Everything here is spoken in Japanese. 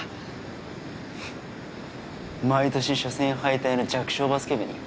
フッ毎年初戦敗退の弱小バスケ部に？